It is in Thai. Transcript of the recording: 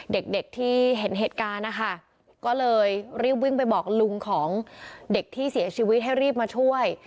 เด็กเด็กที่เห็นเหตุการณ์นะคะก็เลยรีบวิ่งไปบอกลุงของเด็กที่เสียชีวิตให้รีบมาช่วย